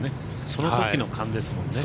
その時の勘ですもんね。